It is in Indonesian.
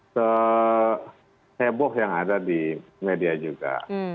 seheboh yang ada di media juga